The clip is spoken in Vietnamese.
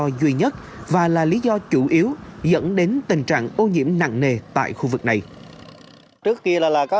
rác là lý do duy nhất và là lý do chủ yếu dẫn đến tình trạng ô nhiễm nặng nề tại khu vực này